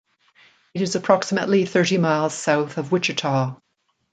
It is approximately thirty miles south of Wichita.